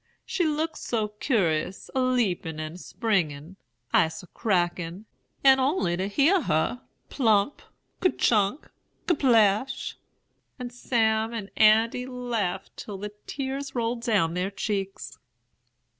'She looked so curis, a leapin' and springin'; ice a crackin' and only to hear her! plump! ker chunk! ker splash!' and Sam and Andy laughed till the tears rolled down their cheeks.